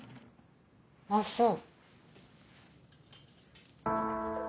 あっそう。